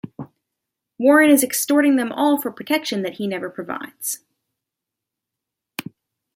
Warren is extorting them all for protection that he never provides.